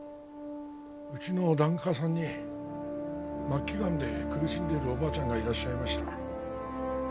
うちの檀家さんに末期がんで苦しんでいるおばあちゃんがいらっしゃいました。